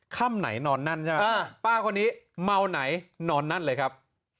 ค่ำไหนนอนนั่นใช่ไหมป้าคนนี้เมาไหนนอนนั่นเลยครับ